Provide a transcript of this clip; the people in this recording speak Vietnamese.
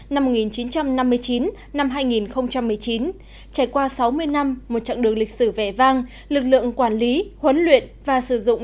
năm một nghìn chín trăm năm mươi chín hai nghìn một mươi chín trải qua sáu mươi năm một chặng đường lịch sử vẻ vang lực lượng quản lý huấn luyện và sử dụng